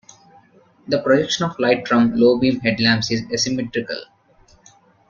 The projection of light from low-beam headlamps is asymmetrical.